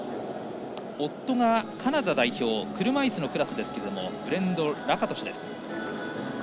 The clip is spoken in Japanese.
夫がカナダ代表車いすのクラスですがラカトシュです。